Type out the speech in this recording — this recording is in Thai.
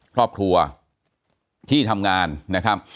ครอบครัวที่ทำงานนะครับ